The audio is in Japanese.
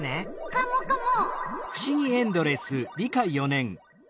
カモカモ。